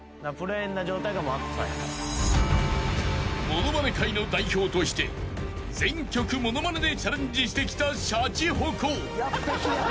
［物まね界の代表として全曲物まねでチャレンジしてきたシャチホコ］